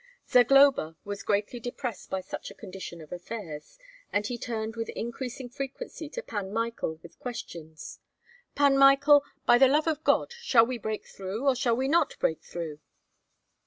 Zagloba was greatly depressed by such a condition of affairs, and he turned with increasing frequency to Pan Michael with questions: "Pan Michael, by the love of God, shall we break through or shall we not break through?"